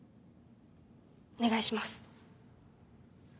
お願いします。